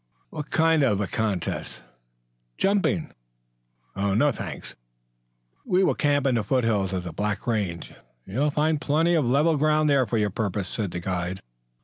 "What kind of a contest?" "Jumping." "No, thank you." "We will camp in the foothills of the Black range. You will find plenty of level ground there for your purpose," said the guide.